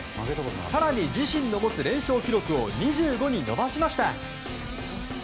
更に自身の持つ連勝記録を２５に伸ばしました。